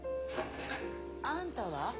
あんたは？